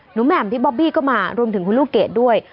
แหม่มที่บอบบี้ก็มารวมถึงคุณลูกเกดด้วย